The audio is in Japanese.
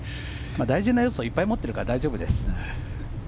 大事な要素いっぱい持っているから大丈夫です。